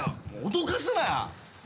脅かすなよ。